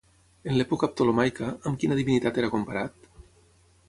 En l'època ptolemaica, amb quina divinitat era comparat?